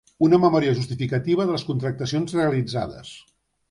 Una memòria justificativa de les contractacions realitzades.